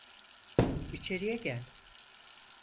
İçeriye gel.